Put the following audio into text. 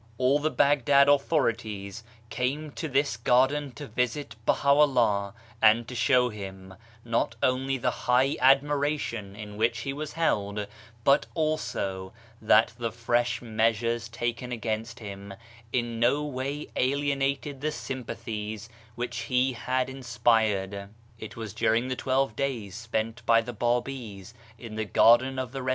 All the Baghdad authorities came to this garden to visit Baha'u'llah, and to show him, not only the high admiration in which he was held, but also that the fresh measures taken against him in no way alienated the sympathies which he had inspired. It was during the twelve days spent by the Babis in the Garden of the Ri?